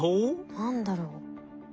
何だろう？